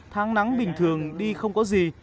tháng nắng bình thường đi không có gì